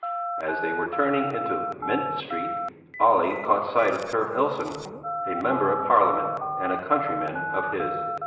As they were turning into Mint Street, Olle caught sight of Per Illson, a member of Parliament and a countryman of his.